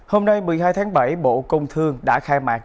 hôm nay một mươi hai tháng bảy bộ công thương đã khai mạc